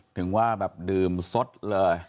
ถึงว่าแบบดื่มสดเลย